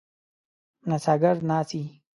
نڅاګر ناڅي.